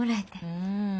うん。